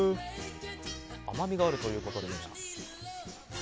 甘みがあるということですが。